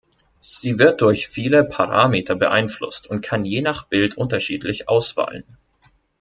Sie wird durch viele Parameter beeinflusst und kann je nach Bild unterschiedlich ausfallen.